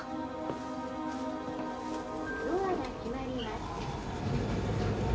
ドアが閉まります。